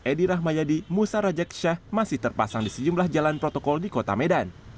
edi rahmayadi musa rajeksyah masih terpasang di sejumlah jalan protokol di kota medan